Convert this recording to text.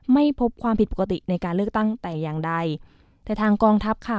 ไม่พบความผิดปกติในการเลือกตั้งแต่อย่างใดแต่ทางกองทัพค่ะ